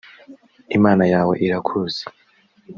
imana yawe irakuzi